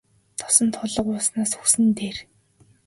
Тосон туулга ууснаас үхсэн нь дээр.